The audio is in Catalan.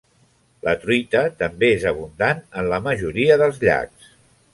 La truita també és abundant en la majoria dels llacs.